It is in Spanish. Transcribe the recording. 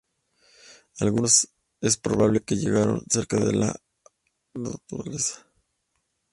Algunos de ellos es probable que llegaran cerca de la cumbre.